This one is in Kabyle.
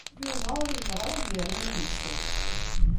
Yuba ur yebɣi ara ad yernu ad isew.